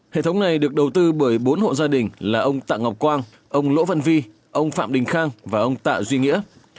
hệ thống này được đầu tư bởi bốn hộ gia đình là ông tạ ngọc quang ông đỗ văn vi ông phạm đình khang và ông tạ duy nghĩa